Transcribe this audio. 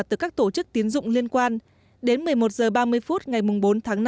từ các tổ chức tiến dụng liên quan đến một mươi một h ba mươi phút ngày bốn tháng năm